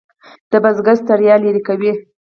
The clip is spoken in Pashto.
د بزګر ستړیا لرې کوي.